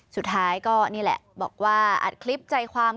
สุดท้ายก็นี่แหละบอกว่าอัดคลิปใจความ